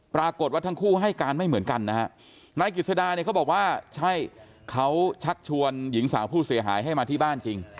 ปรากฏว่าทั้งคู่ให้การไม่เหมือนกันนะฮะนายกิจสดาเนี่ยเขาบอกว่าใช่เขาชักชวนหญิงสาวผู้เสียหายให้มาที่บ้านจริง